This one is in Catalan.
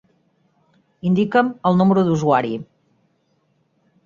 Indica'm el número d'usuari.